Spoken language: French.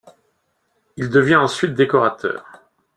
Il devient ensuite décorateur.